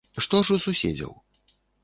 Што ж у суседзяў?